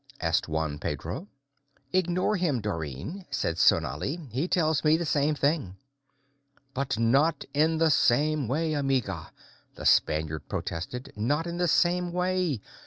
asked Juan Pedro. "Ignore him, Dorrine," said Sonali, "he tells me the same thing." "But not in the same way, amiga!" the Spaniard protested. "Not in the same way.